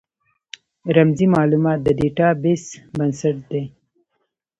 رمزي مالومات د ډیټا بیس بنسټ دی.